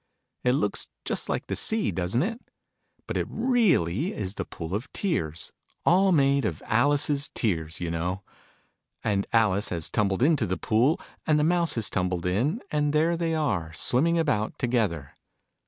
It looks just like the sea, doesn't it ? But it really is the Pool of Tears all made of Alice's tears, you know ! And Alice has tumbled into the Pool : and the Mouse has tumbled in : and there they are, swimming about together.